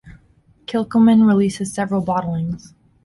Kilchoman releases several bottlings.